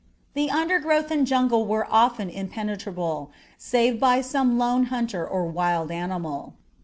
The undergrowth and jungle were often impenetrable, save by some lone hunter or wild animal.